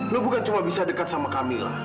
lo bukan cuma bisa dekat sama camilla